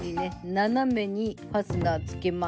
斜めにファスナーつけます。